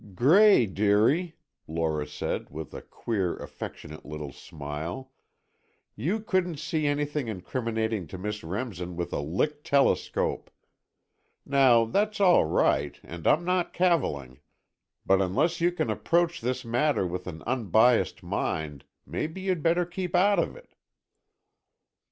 "Gray, dearie," Lora said, with a queer, affectionate little smile, "you couldn't see anything incriminating to Miss Remsen with a Lick telescope! Now, that's all right, and I'm not cavilling, but unless you can approach this matter with an unbiassed mind, maybe you'd better keep out of it."